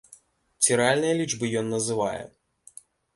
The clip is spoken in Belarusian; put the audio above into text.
Ці рэальныя лічбы ён называе?